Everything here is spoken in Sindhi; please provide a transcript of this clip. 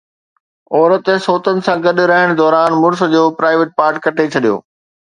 عورت سوتن سان گڏ رهڻ دوران مڙس جو پرائيويٽ پارٽ ڪٽي ڇڏيو